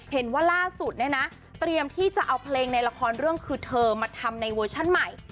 เห็นว่าล่าสุดเนี่ยนะเตรียมที่จะเอาเพลงในละครเรื่องคือเธอมาทำในเวอร์ชั่นใหม่